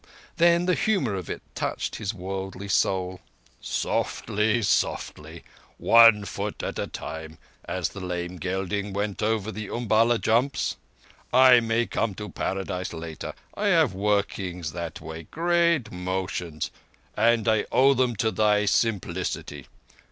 Then the humour of it touched his worldly soul. "Softly—softly—one foot at a time, as the lame gelding went over the Umballa jumps. I may come to Paradise later—I have workings that way—great motions—and I owe them to thy simplicity.